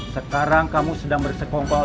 sekarang kamu sedang bersekongkol